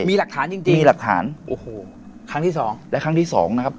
มีหลักฐานจริงจริงมีหลักฐานโอ้โหครั้งที่สองและครั้งที่สองนะครับ